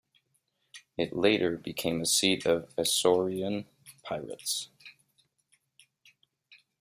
It later became a seat of Isaurian pirates.